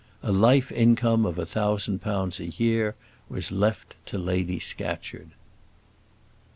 A life income of a thousand pounds a year was left to Lady Scatcherd.